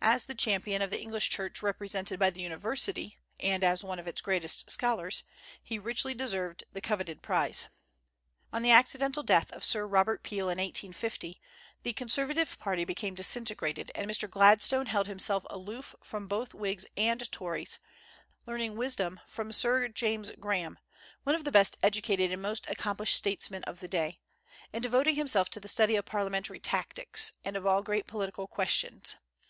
As the champion of the English Church represented by the University, and as one of its greatest scholars, he richly deserved the coveted prize. On the accidental death of Sir Robert Peel in 1850 the conservative party became disintegrated, and Mr. Gladstone held himself aloof both from Whigs and Tories, learning wisdom from Sir James Graham (one of the best educated and most accomplished statesman of the day), and devoting himself to the study of parliamentary tactics, and of all great political questions.